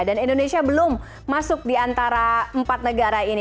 dan indonesia belum masuk di antara empat negara ini